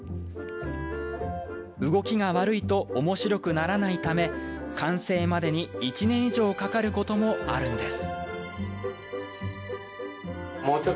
動きが悪いとおもしろくならないため完成までに１年以上かかることもあるんです。